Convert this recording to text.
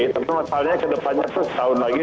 tapi masalahnya kedepannya satu tahun lagi